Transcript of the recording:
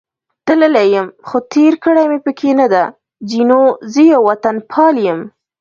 تللی یم، خو تېر کړې مې پکې نه ده، جینو: زه یو وطنپال یم.